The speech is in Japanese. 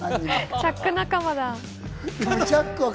チャック仲間だ。